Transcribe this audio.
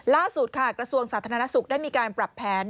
ล่าสุดค่ะกระทรวงสัตว์ธนาศุกร์ได้มีการปรับแผน